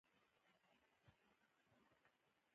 د خپل فقهي مذهب نظریاتو بابولو بوخت شول